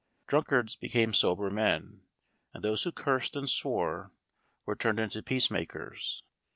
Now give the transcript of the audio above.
Drunkards became sober men, and those who cursed and swore were turned into peace makers.